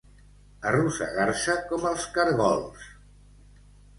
Arrossegar-se com els caragols.